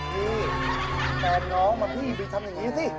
พี่แฟนน้องมาพี่ไปทำอย่างนี้สิ